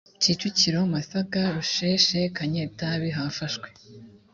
kicukiro masaka rusheshe kanyetabi hafashwe